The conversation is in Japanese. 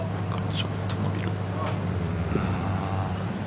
ちょっと伸びる。